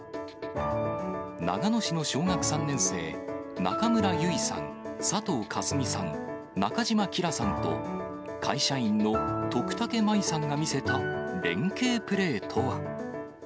長野市の小学３年生、中村結さん、佐藤圭純さん、中島希來さんと会社員の徳武真衣さんが見せた連係プレーとは。